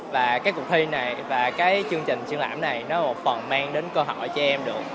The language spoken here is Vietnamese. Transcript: và cái cuộc thi này và cái chương trình truyền lãm này nó một phần mang đến câu hỏi cho em được